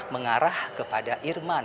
mengarah kepada irman